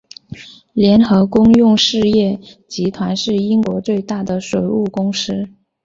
联合公用事业集团是英国最大的水务公司。